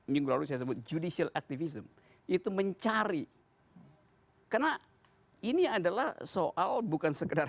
minggu lalu saya sebut judicial activism itu mencari karena ini adalah soal bukan sekedar